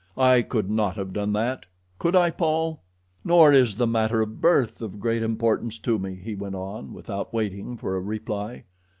I could not have done that—could I, Paul? "Nor is the matter of birth of great importance to me," he went on, without waiting for a reply.